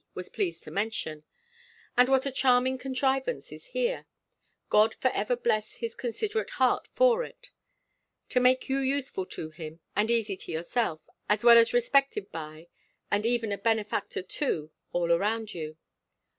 was pleased to mention: and what a charming contrivance is here! God for ever bless his considerate heart for it! To make you useful to him, and easy to yourself: as well as respected by, and even a benefactor to all around you!